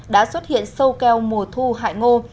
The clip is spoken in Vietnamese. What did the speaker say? đã xuất hiện sâu keo mùa thu hại ngô